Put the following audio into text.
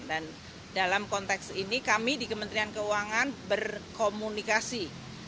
dan dalam konteks ini kami di kementerian keuangan berkomunikasi